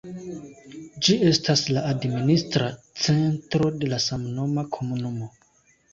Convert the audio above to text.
Ĝi estas la administra centro de la samnoma komunumo.